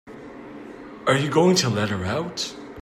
Are you going to let her out?